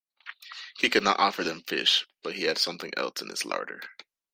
He could not offer them fish, but he had something else in his larder.